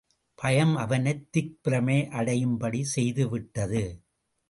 பயம் அவனைத் திக்பிரமை அடையும்படி செய்துவிட்டது.